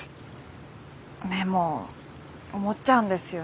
でも思っちゃうんですよね。